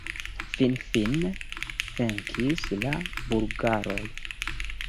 Finfine venkis la bulgaroj...